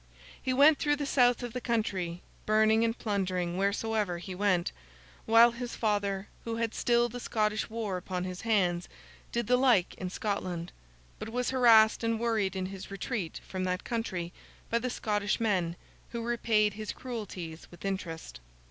He went through the south of the country, burning and plundering wheresoever he went; while his father, who had still the Scottish war upon his hands, did the like in Scotland, but was harassed and worried in his retreat from that country by the Scottish men, who repaid his cruelties with interest.